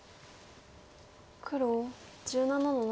黒１７の七。